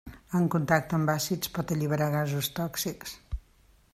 En contacte amb àcids pot alliberar gasos tòxics.